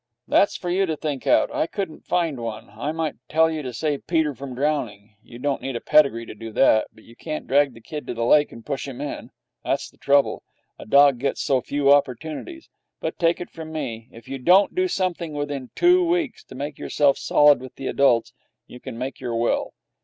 'That's for you to think out. I couldn't find one. I might tell you to save Peter from drowning. You don't need a pedigree to do that. But you can't drag the kid to the lake and push him in. That's the trouble. A dog gets so few opportunities. But, take it from me, if you don't do something within two weeks to make yourself solid with the adults, you can make your will.